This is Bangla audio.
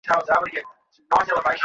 বেশীক্ষণ থাকবো না বাইরে।